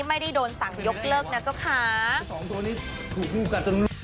ไม่ได้โดนสั่งยกเลิกนะเจ้าค่ะ